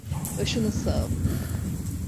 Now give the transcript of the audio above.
Başınız sağ olsun.